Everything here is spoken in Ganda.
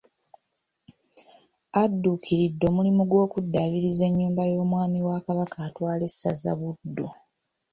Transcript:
Adduukiridde omulimu gw'okuddaabiriza ennyumba y'omwami wa Kabaka atwala essaza Buddu